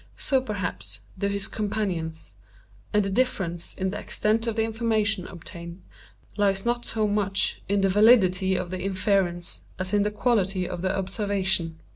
So, perhaps, do his companions; and the difference in the extent of the information obtained, lies not so much in the validity of the inference as in the quality of the observation.